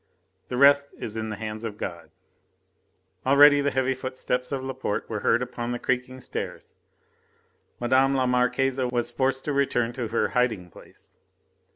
The rest is in the hands of God." Already the heavy footsteps of Laporte were heard upon the creaking stairs. Mme. la Marquise was forced to return to her hiding place.